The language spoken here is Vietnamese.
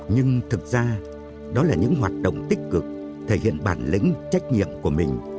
nhưng thực ra đó là những hoạt động tích cực thể hiện bản lĩnh trách nhiệm của mình